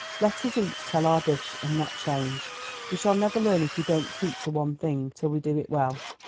"Let us each tell our dish, and not change. We shall never learn if we don't keep to one thing till we do it well.